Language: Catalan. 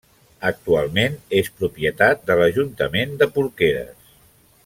Actualment és propietat de l'Ajuntament de Porqueres.